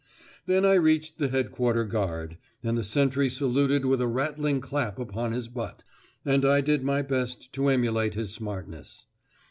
Then I reached the headquarter guard, and the sentry saluted with a rattling clap upon his butt, and I did my best to emulate his smartness.